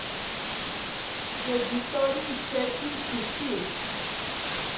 Yeyithori icheki tzitzi